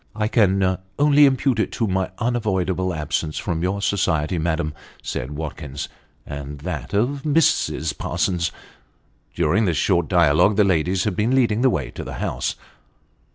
" I can only impute it to my unavoidable absence from your society, madam," said Watkins, " and that of Mrs. Parsons." During this short dialogue, the ladies had been leading the way to the house.